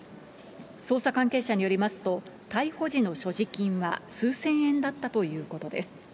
捜査関係者によりますと、逮捕時の所持金は数千円だったということです。